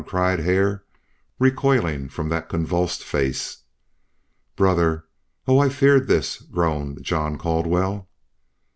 cried Hare, recoiling from that convulsed face. "Brother! Oh! I feared this," groaned John Caldwell.